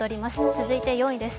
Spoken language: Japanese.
続いて４位です。